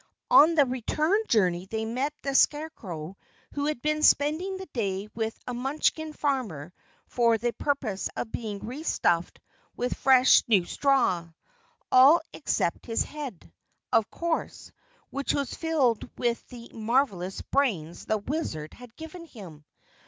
On the return journey they met the Scarecrow who had been spending the day with a Munchkin Farmer for the purpose of being re stuffed with fresh new straw all except his head, of course, which was filled with the marvelous brains the Wizard had given him.